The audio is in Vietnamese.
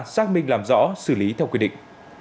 xác minh làm rõ xử lý theo quy định